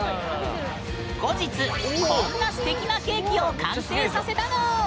後日こんなすてきなケーキを完成させたぬん。